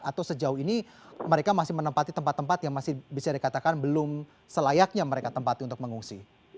atau sejauh ini mereka masih menempati tempat tempat yang masih bisa dikatakan belum selayaknya mereka tempati untuk mengungsi